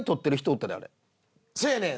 そやねん